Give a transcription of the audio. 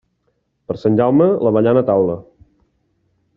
Per Sant Jaume, l'avellana a taula.